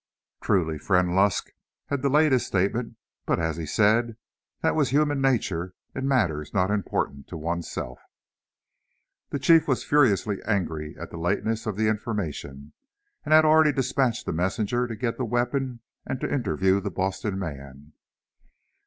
Truly, Friend Lusk had delayed his statement, but as he said, that was human nature, in matters not important to oneself. The Chief was furiously angry at the lateness of the information, and had already dispatched a messenger to get the weapon and to interview the Boston man.